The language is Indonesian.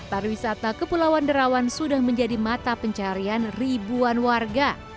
pariwisata kepulauan derawan sudah menjadi mata pencarian ribuan warga